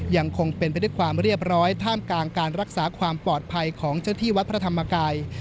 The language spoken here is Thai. ยังคงเป็นไปด้วยความเรียบร้อยท่ามกลางการรักษาความปลอดภัยของเจ้าที่วัดพระธรรมกาย